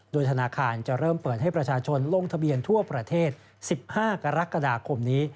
โดยธนาคารจะเริ่มเปิดให้ประชาชนลงทะเบียนทั่วประเทศ๑๕กรกฎาคมนี้